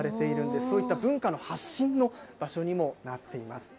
そういった文化の発信の場所にもなっています。